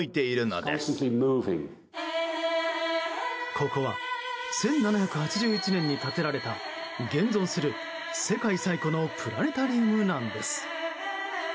ここは１７８１年に建てられた現存する世界最古のプラネタリウムなんです。